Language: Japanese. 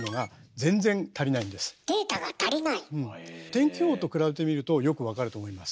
天気予報と比べてみるとよく分かると思います。